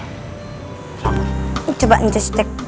udah gak ada yang nge check